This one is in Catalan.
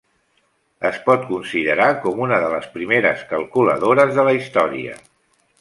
Es pot considerar com una de les primeres calculadores de la història.